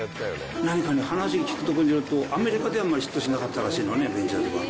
何かね、話に聞くところによると、アメリカではあんまりヒットしなかったらしいのね、ベンチャーズは。